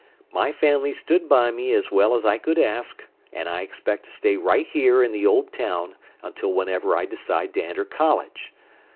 My family stood by me as well as I could ask, and I expect to stay right here in the old town until whenever I decide to enter college.